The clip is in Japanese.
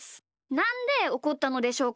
なんでおこったのでしょうか？